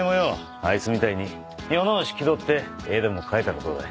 あいつみたいに世直し気取って絵でも描いたらどうだい？